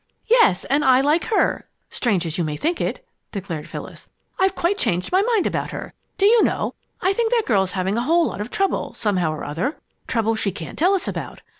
"Yes, and I like her strange as you may think it!" declared Phyllis. "I've quite changed my mind about her. Do you know, I think that girl is having a whole lot of trouble, somehow or other trouble she can't tell us about.